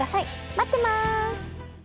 待ってます。